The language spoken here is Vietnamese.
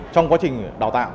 trong quá trình đào tạo